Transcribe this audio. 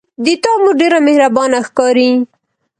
د تا مور ډیره مهربانه ښکاري